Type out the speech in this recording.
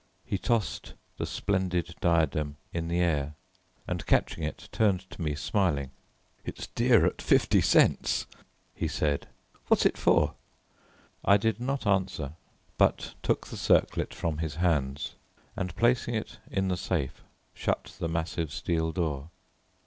He tossed the splendid diadem in the air, and catching it, turned to me smiling. "It's dear at fifty cents," he said. "What's it for?" I did not answer, but took the circlet from his hands, and placing it in the safe shut the massive steel door.